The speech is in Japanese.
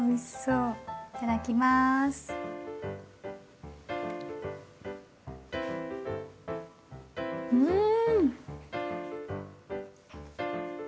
うん。